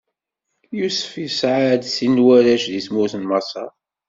Yusef isɛa-d sin n warrac di tmurt n Maṣer.